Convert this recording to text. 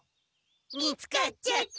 見つかっちゃった。